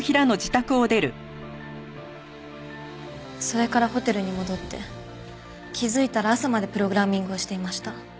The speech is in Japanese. それからホテルに戻って気づいたら朝までプログラミングをしていました。